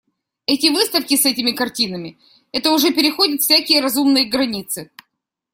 Эти выставки с этими картинами, это уже переходит всякие разумные границы.